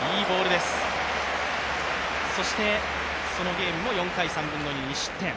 そしてそのゲームも４回３分の２、２失点。